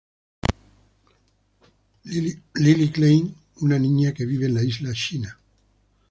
Lily Klein Una niña que vive en la isla Sheena.